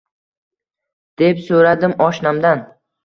deb so`radim oshnamdan